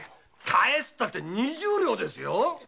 返すったって二十両ですよ！